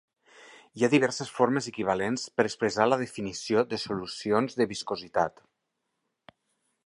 Hi ha diverses formes equivalents per expressar la definició de solucions de viscositat.